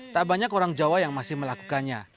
tak banyak orang jawa yang masih melakukannya